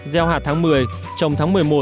gieo hạt tháng một mươi trồng tháng một mươi một